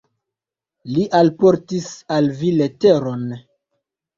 Li alportis al vi leteron.